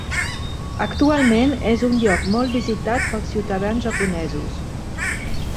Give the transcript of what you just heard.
Actualment és un lloc molt visitat pels ciutadans japonesos.